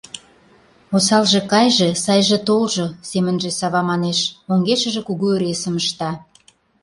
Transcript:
Осалже кайыже, сайже толжо! — семынже Сава манеш, оҥешыже кугу ыресым ышта.